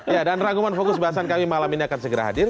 ya dan rangkuman fokus bahasan kami malam ini akan segera hadir